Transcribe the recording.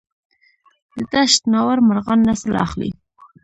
د دشت ناور مرغان نسل اخلي؟